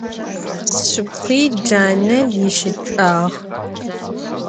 Sşşıpxhui cane yişıç'ağ.